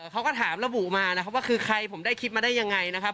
เขาก็ถามระบุมานะครับว่าคือใครผมได้คลิปมาได้ยังไงนะครับ